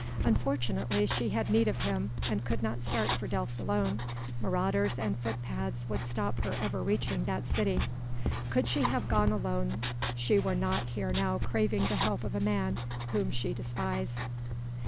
Unfortunately she had need of him, she could not start for Delft alone, marauders and footpads would stop her ever reaching that city. Could she have gone alone she were not here now craving the help of a man whom she despised.